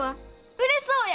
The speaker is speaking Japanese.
売れそうや！